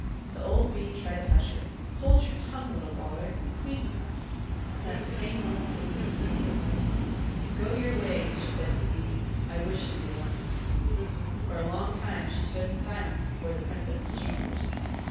The old Bee tried to hush her. "Hold your tongue, little bawler! The Queen's coming." And at the same moment the Queen Bee came. "Go your ways," she said to the Bees; "I wish to be alone." For a long time she stood in silence before the Princesses' chambers.